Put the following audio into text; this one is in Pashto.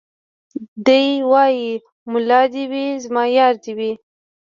دی وايي ملا دي وي زما يار دي وي